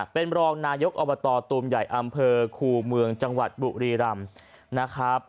เป็นรองนายกอบตตูมใหญ่อำเภอคูเมืองจังหวัดบุรีรำนะครับ